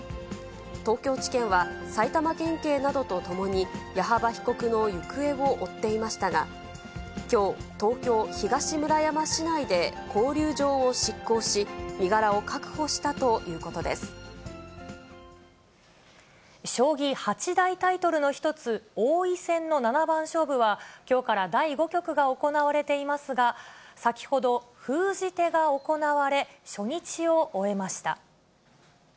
東京地検は、埼玉県警などと共に、矢幅被告の行方を追っていましたが、きょう、東京・東村山市内で勾留状を執行し、身柄を確保したということで将棋八大タイトルの一つ、王位戦の七番勝負は、きょうから第５局が行われていますが、先ほど、封じ手が行われ、初日を終えました。